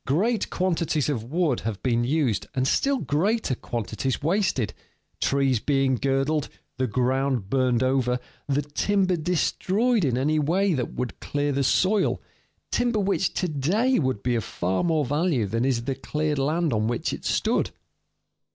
Great quantities of wood have been used and still greater quantities wasted, trees being girdled, the ground burned over, the timber destroyed in any way that would clear the soil timber which to day would be of far more value than is the cleared land on which it stood.